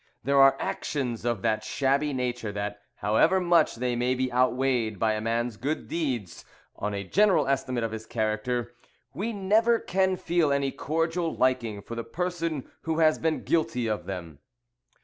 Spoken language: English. There are actions of that shabby nature, that, however much they may be outweighed by a man's good deeds on a general estimate of his character, we never can feel any cordial liking for the person who has been guilty of them.